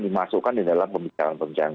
dimasukkan di dalam pembicaraan pembicaraan